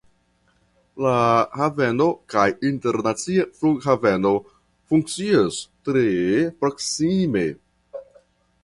La haveno kaj internacia flughaveno funkcias tre proksime.